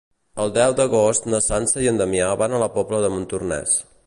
El deu d'agost na Sança i en Damià van a la Pobla de Montornès.